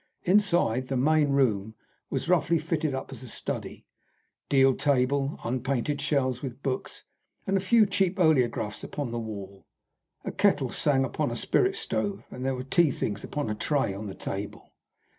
Inside, the main room was roughly fitted up as a study deal table, unpainted shelves with books, and a few cheap oleographs upon the wall. A kettle sang upon a spirit stove, and there were tea things upon a tray on the table.